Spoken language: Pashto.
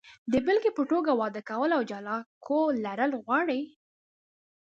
د بېلګې په توګه، واده کول او جلا کور لرل غواړي.